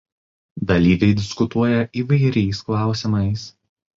Dalyviai diskutuoja įvairiais klausimais.